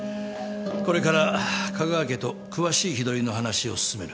これから香川家と詳しい日取りの話を進める。